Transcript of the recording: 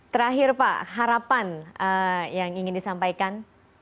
terakhir pak harapan yang ingin disampaikan